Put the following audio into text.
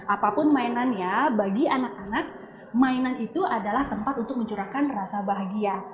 apapun mainannya bagi anak anak mainan itu adalah tempat untuk mencurahkan rasa bahagia